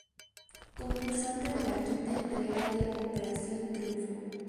Concursante de la quinta entrega de "Operación Triunfo".